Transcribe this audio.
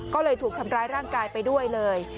ก็เลยถูกทำร้ายร่างกายไปด้วยเลย